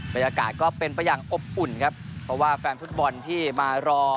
บรรยากาศก็เป็นไปอย่างอบอุ่นครับเพราะว่าแฟนฟุตบอลที่มารอ